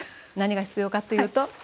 何が必要かというと。